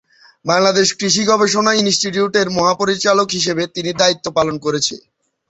বাংলাদেশ কৃষি গবেষণা ইনস্টিটিউটের মহাপরিচালক হিসাবে তিনি দায়িত্ব পালন করেছে।